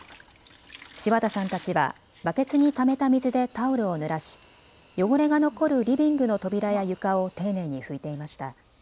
柴田さんたちはバケツにためた水でタオルをぬらし汚れが残るリビングの扉や床を丁寧に拭いていました。